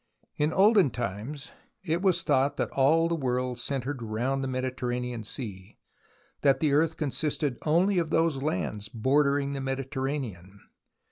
In olden times it was thought that all the world centred round the Mediterranean Sea, that the earth consisted only of those lands bordering the Mediterranean.